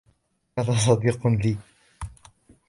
هذا لصديق لي.